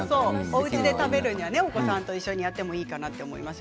おうちで食べるにはお子さんと一緒にやってもいいかと思います。